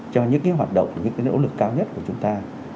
cho những hoạt động những nỗ lực cao nhất của chúng ta